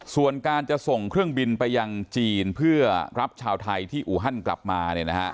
ส่วนการจะส่งเครื่องบินไปยังจีนเพื่อรับชาวไทยที่อูฮันกลับมา